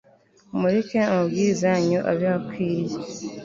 Mureke amabwiriza yanyu abe akwiriye